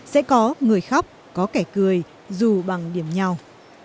sẽ có người khóc có kẻ cười dù bằng điểm nhau